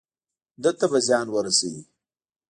ده ته به زیان ورسوي.